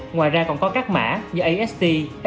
ngoài ra còn có các mã như ast